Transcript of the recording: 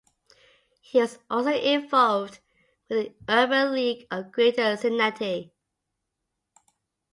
He was also involved with the Urban League of Greater Cincinnati.